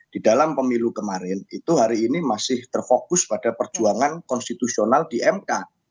di dalam pemilu kemarin itu hari ini masih terfokus pada perjuangan konstitusional di mk